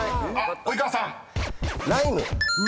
［及川さん］